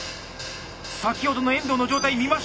先ほどの遠藤の状態見ましょう。